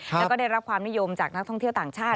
แล้วก็ได้รับความนิยมจากนักท่องเที่ยวต่างชาติ